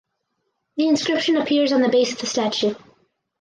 The inscription appears on the base of the statue.